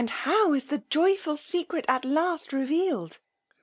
And how is the joyful secret at last revealed!